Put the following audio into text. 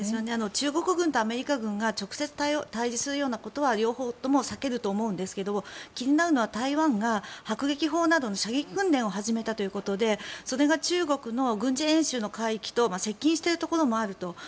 中国軍とアメリカ軍が直接対峙するようなことは両方とも避けると思うんですけど気になるのは台湾が迫撃砲などの射撃訓練を始めたということでそれが中国の軍事演習の海域と接近しているところもあると。